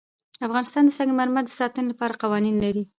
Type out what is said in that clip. افغانستان د سنگ مرمر د ساتنې لپاره قوانین لري.